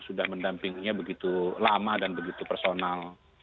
sudah mendampinginya begitu lama dan begitu personal